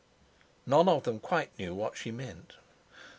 None of them quite knew what she meant.